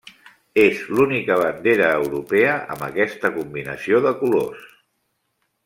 És l'única bandera europea amb aquesta combinació de colors.